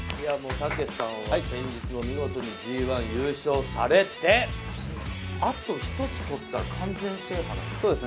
武さんは先日見事にＧ１を優勝されて、あと一つ取ったら完全制覇なんですね。